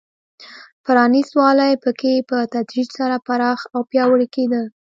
پرانېست والی په کې په تدریج سره پراخ او پیاوړی کېده.